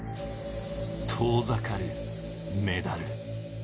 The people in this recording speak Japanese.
遠ざかるメダル。